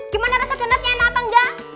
gimana rasa donatnya enak apa enggak